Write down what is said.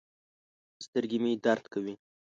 سترګې مې درد کوي